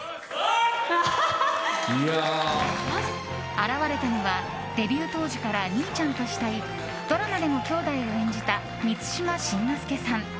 現れたのはデビュー当時から兄ちゃんと慕いドラマでも兄弟を演じた満島真之介さん。